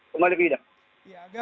kembali ke hidup